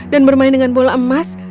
dan bermain dengan bola emas